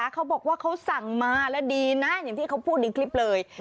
เขาบอกว่าเขาสั่งมาแล้วดีนะอย่างที่เขาพูดในคลิปเลย